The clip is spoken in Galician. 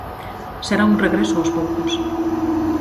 Será un regreso os poucos.